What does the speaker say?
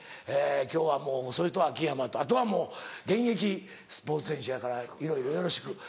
今日はもうそれと秋山とあとはもう現役スポーツ選手やからいろいろよろしく。